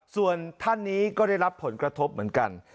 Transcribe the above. ส่วนท่านนี้ก็ได้รับผลกระทบเหมือนกัน